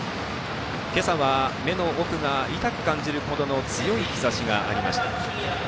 今朝は目の奥が痛く感じるほどの強い日ざしがありました。